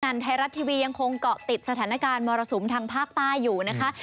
นั่นไทยรัฐทีวียังคงเกาะติดสถานการณ์มรสุมทางภาคใต้อยู่นะคะ